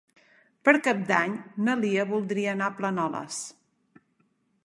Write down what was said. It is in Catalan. Per Cap d'Any na Lia voldria anar a Planoles.